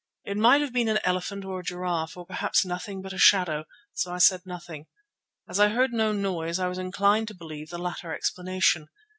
It might have been an elephant or a giraffe, or perhaps nothing but a shadow, so I said nothing. As I heard no noise I was inclined to believe the latter explanation.